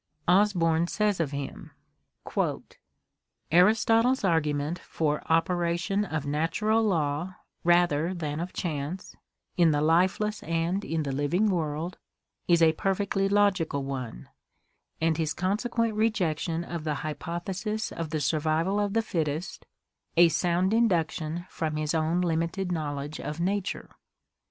Osborn saysof him: Aristotle's argument for " operation of natural law, rather than of chance, in the lifeless and in the living world, is a perfectly logical one, and his consequent rejection of the hypothesis of the Survival of the Fittest, a sound induction from his own limited knowledge of Nature.